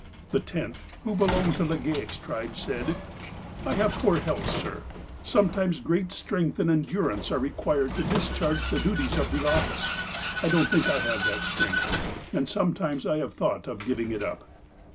The tenth, who belonged to Legale' s tribe, said :*' I have poor health, sir. Sometimes great strength and endurance are required to discharge the duties of the office. I don't think I have that strength, and some times I have thought of giving it up."